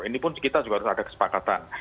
ini pun kita juga harus ada kesepakatan